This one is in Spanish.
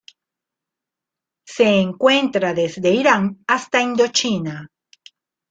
Se encuentra desde Irán hasta Indochina.